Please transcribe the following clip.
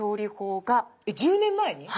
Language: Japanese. １０年前に？